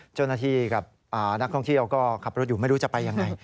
เจ้าหน้าที่กับนักท่องเที่ยวก็ขับรถอยู่ไม่รู้จะไปยังไง